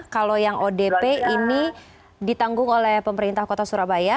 kalau yang odp ini ditanggung oleh pemerintah kota surabaya